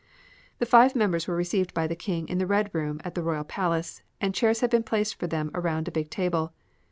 The five members were received by the King in the red room at the Royal Palace and chairs had been placed for them around a big table.